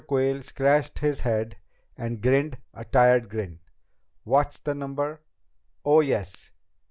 Quayle scratched his head and grinned a tired grin. "What's the next number? ... oh, yes